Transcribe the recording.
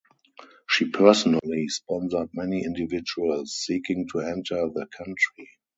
She personally sponsored many individuals seeking to enter the country.